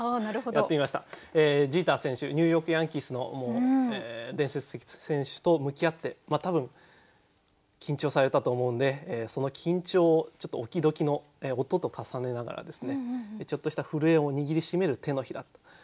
ジーター選手ニューヨーク・ヤンキースの伝説的選手と向き合って多分緊張されたと思うんでその緊張をオキドキの音と重ねながらですねちょっとした震えを握り締める手のひらと。